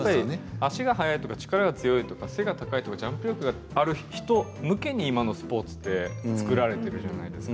足が速い、力が強い背が高いジャンプ力がある人向けに今のスポーツって作られているんじゃないですか。